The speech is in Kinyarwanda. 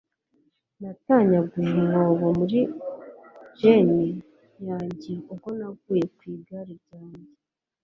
Natanyaguye umwobo muri jeans yanjye ubwo naguye ku igare ryanjye.